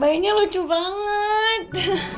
bayinya lucu banget